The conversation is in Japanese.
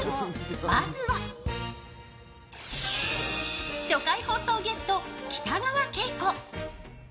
まずは、初回放送ゲスト北川景子。